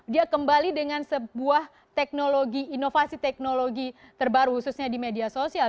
dia kembali dengan sebuah teknologi inovasi teknologi terbaru khususnya di media sosial